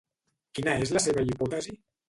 Quina és la seva hipòtesi?